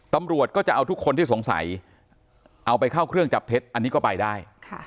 ตำรวจก็จะเอาทุกคนที่สงสัยเอาไปเข้าเครื่องจับเท็จอันนี้ก็ไปได้